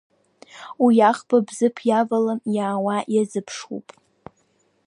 Уи аӷба Бзыԥ иавалан иаауа ирзыԥшуп.